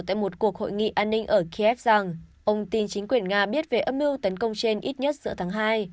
tại một cuộc hội nghị an ninh ở kiev rằng ông tin chính quyền nga biết về âm mưu tấn công trên ít nhất giữa tháng hai